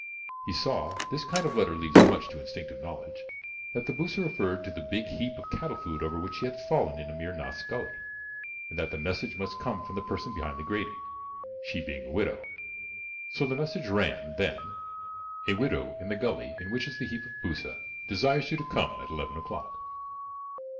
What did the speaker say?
He saw this kind of letter leaves much to instinctive knowledge that the bhusa referred to the big heap of cattle food over which he had fallen in Amir Nath's Gully, and that the message must come from the person behind the grating; she being a widow. So the message ran then: "A widow, in the Gully in which is the heap of bhusa, desires you to come at eleven o'clock."